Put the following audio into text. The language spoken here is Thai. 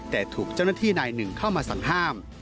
แต่ถูกเจ้าหน้าที่นายหนึ่งเข้ามาสั่งห้าม